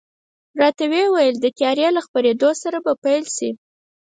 راته وې ویل، د تیارې له خپرېدا سره به پیل شي.